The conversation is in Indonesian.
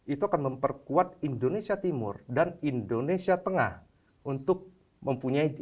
itu akan memperkuat indonesia timur dan indonesia tengah untuk mempunyai